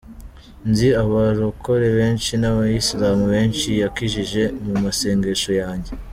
“Nzi abarokore benshi n’abayisilami benshi yakijije mu masengesho yanjye.